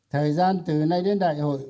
thời gian từ nay đến đại hội